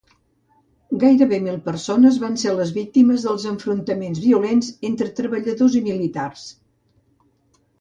Gairebé mil persones van ser les víctimes dels enfrontaments violents entre treballadors i militars.